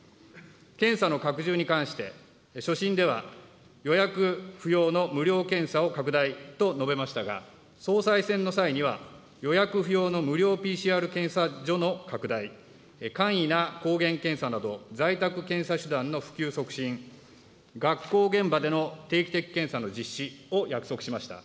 検査の拡充に関して、所信では予約不要の無料検査を拡大と述べましたが、総裁選の際には、予約不要の無料ＰＣＲ検査所の拡大、簡易な抗原検査など在宅検査手段の普及促進、学校現場での定期的な検査の実施を約束しました。